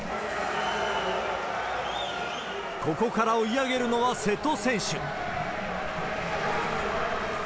ここから追い上げるのは瀬戸選手。